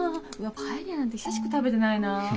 パエリアなんて久しく食べてないな。